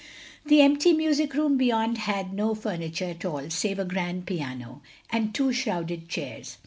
The empty music room beyond had no ftimittire at all save a grand piano, and two shrouded chairs.